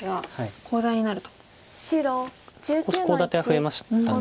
少しコウ立ては増えました。